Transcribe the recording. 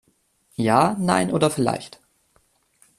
Ja, nein oder vielleicht?